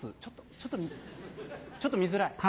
ちょっとちょっと見づらい？